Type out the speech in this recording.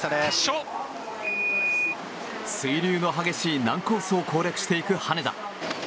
水流の激しい難コースを攻略していく羽根田。